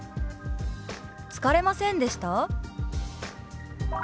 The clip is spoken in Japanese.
「疲れませんでした？」。